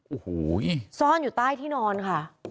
โอ้โหซ่อนอยู่ใต้ที่นอนค่ะ